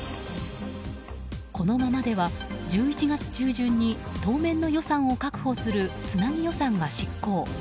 このままでは１１月中旬に当面の予算を確保するつなぎ予算が失効。